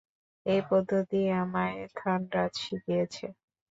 এ পদ্ধতি আমায় থানরাজ শিখিয়েছে।